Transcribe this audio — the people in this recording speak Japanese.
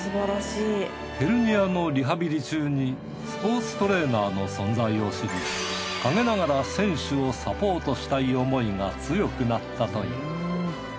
ヘルニアのリハビリ中にスポーツトレーナーの存在を知り陰ながら選手をサポートしたい思いが強くなったという。